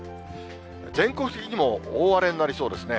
全国的にも大荒れになりそうですね。